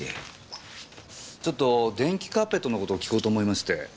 ちょっと電気カーペットのこと訊こうと思いまして。